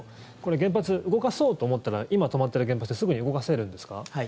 原発、動かそうと思ったら今、止まってる原発ってすぐに動かせるんですか？